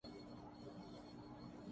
وہ بہت شائستہ انداز میں بات کرتے